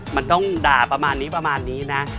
มันต้องด่าประมาณนี้นะ